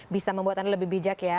bisa membuat anda lebih bijak ya